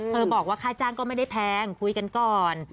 บอกว่าค่าจ้างก็ไม่ได้แพงคุยกันก่อน